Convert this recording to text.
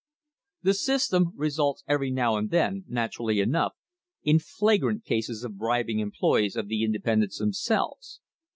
The system results every now and then, naturally enough, in flagrant cases of bribing employees of the independents themselves.